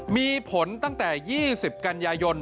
มีผลตั้งแต่๒๐กันยายน